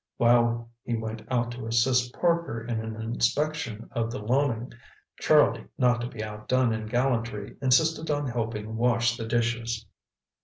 While he went out to assist Parker in an inspection of the Loening, Charlie, not to be outdone in gallantry, insisted on helping wash the dishes.